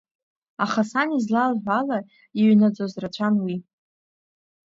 Аха сан излалҳәоз ала, иҩнаӡоз рацәан уи!